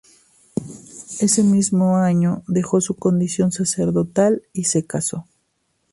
Ese mismo año dejó su condición sacerdotal y se casó.